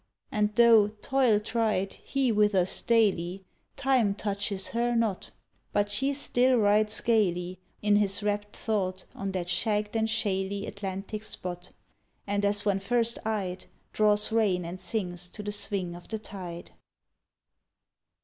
And though, toil tried, He withers daily, Time touches her not, But she still rides gaily In his rapt thought On that shagged and shaly Atlantic spot, And as when first eyed Draws rein and sings to the swing of the tide.